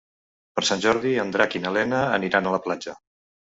Per Sant Jordi en Drac i na Lena aniran a la platja.